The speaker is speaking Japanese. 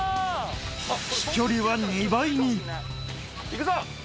飛距離は２倍に行くぞ！